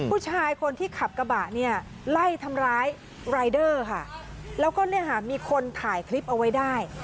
ผู้ชายคนที่ขับกระบะเนี่ยไล่ทำร้ายรายเดอร์ค่ะแล้วก็เนี่ยค่ะมีคนถ่ายคลิปเอาไว้ได้